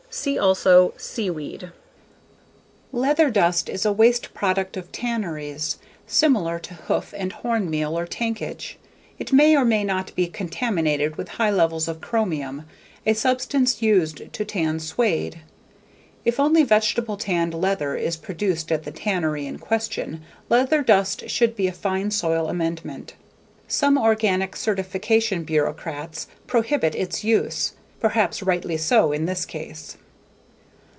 See also: Seaweed. Leather dust is a waste product of tanneries, similar to hoof and horn meal or tankage. It may or may not be contaminated with high levels of chromium, a substance used to tan suede. If only vegetable tanned leather is produced at the tannery in question, leather dust should be a fine soil amendment. Some organic certification bureaucrats prohibit its use, perhaps rightly so in this case.